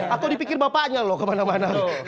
aku dipikir bapaknya loh kemana mana